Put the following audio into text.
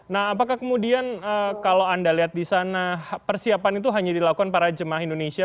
nah apakah kemudian kalau anda lihat di sana persiapan itu hanya dilakukan para jemaah indonesia